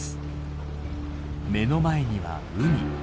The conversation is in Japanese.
目の前には海。